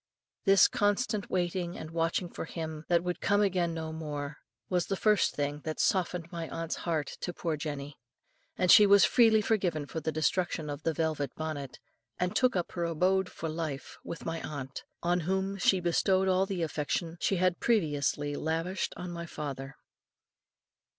This constant waiting and watching for him that would come again no more, was the first thing that softened my aunt's heart to poor Jenny; and she was freely forgiven for the destruction of the velvet bonnet, and took up her abode for life with my aunt, on whom she bestowed all the affection she had previously lavished on my father."